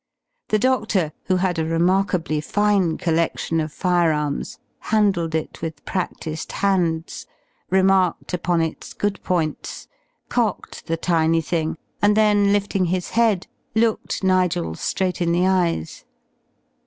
The doctor, who had a remarkably fine collection of firearms, handled it with practised hands, remarked upon its good points, cocked the tiny thing, and then lifting his head looked Nigel straight in the eyes.